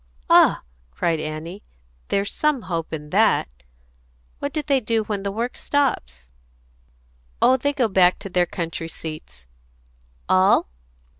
"Ah!" cried Annie. "There's some hope in that! What do they do when the work stops?" "Oh, they go back to their country seats." "All?"